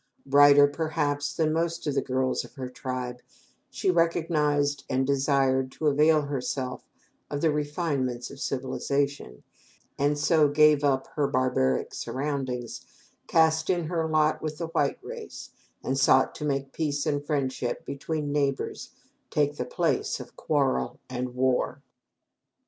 Brighter, perhaps, than most of the girls of her tribe, she recognized and desired to avail herself of the refinements of civilization, and so gave up her barbaric surroundings, cast in her lot with the white race, and sought to make peace and friendship between neighbors take the place of quarrel and of war.